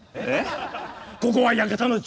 ここは館の中枢。